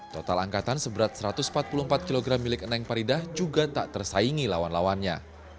total angkatan seberat satu ratus empat puluh empat kg milik eneng paridah juga tak tersaingi lawan lawannya